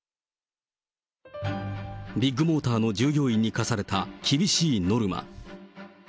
ビッグモーターの従業員に課された厳しいノルマ。